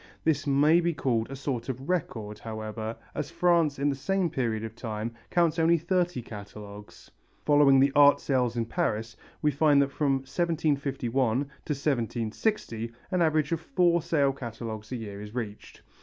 This may be called a sort of record, however, as France in the same period of time counts only thirty catalogues. Following the art sales in Paris we find that from 1751 to 1760 an average of four sale catalogues a year is reached.